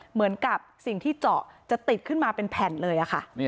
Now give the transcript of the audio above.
เหมือนกับสิ่งที่เจาะจะติดขึ้นมาเป็นแผ่นเลยค่ะ